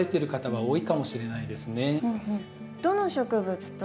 はい。